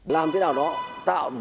làm cái nào đó tạo môi trường